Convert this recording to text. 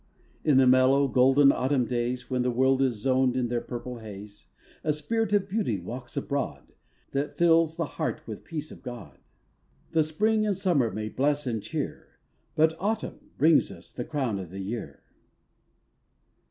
In the mellow, golden autumn days, When the world is zoned in their purple haze, A spirit of beauty walks abroad, That fills the heart with peace of God; The spring and summer may bless and cheer, But autumn brings us the crown o' the year.